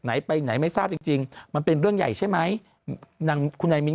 ไหนไปไหนไม่ทราบจริงมันเป็นเรื่องใหญ่ใช่ไหมนางคุณใหญ่